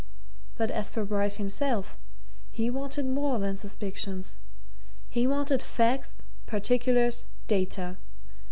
But as for Bryce himself, he wanted more than suspicions he wanted facts, particulars, data.